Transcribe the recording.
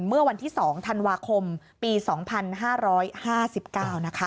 เมื่อวันที่๒ธันวาคมปี๒๕๕๙นะคะ